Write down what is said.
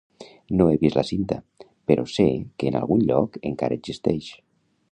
No he vist la cinta, però sé que en algun lloc encara "existeix".